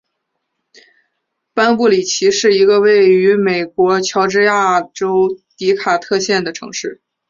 班布里奇是一个位于美国乔治亚州迪卡特县的城市。